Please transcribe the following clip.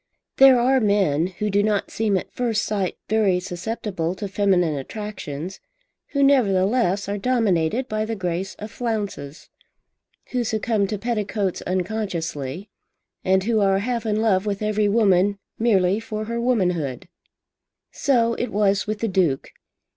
There are men, who do not seem at first sight very susceptible to feminine attractions, who nevertheless are dominated by the grace of flounces, who succumb to petticoats unconsciously, and who are half in love with every woman merely for her womanhood. So it was with the Duke.